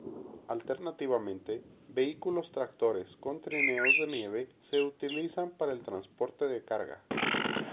Alternativamente, vehículos tractores con trineos de nieve se utilizan para el transporte de carga.